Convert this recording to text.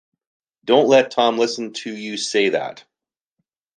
Don’t let Tom listen to you say that.